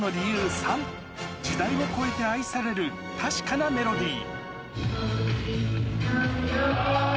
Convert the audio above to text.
３、時代を超えて愛される確かなメロディー。